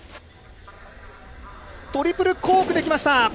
トリプルコークできました！